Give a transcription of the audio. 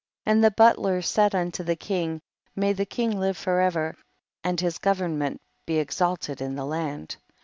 And the butler said inito the king, may the king live forever, and his government be exalted in the land.